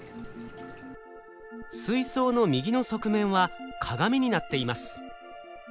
水槽の右の側面は鏡になっています。